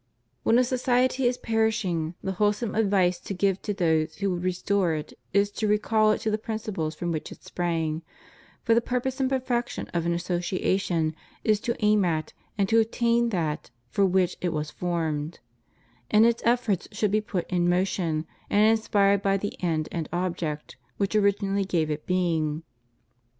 When a society is perishing, the wholesome advice to give to those who would restore it is to recall it to the principles from which it sprang; for the purpose and perfection of an association is to aim at and to attain that for which it was formed; and its efforts should be put in motion and inspired by the end and object which originally gave it being.